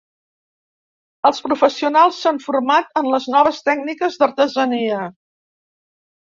Els professionals s'han format en les noves tècniques d'artesania.